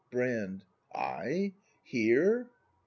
Brand. I? Here!